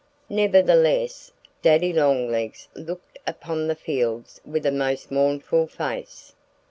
Nevertheless Daddy Longlegs looked upon the fields with a most mournful face.